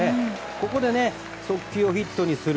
ここでね、速球をヒットにする。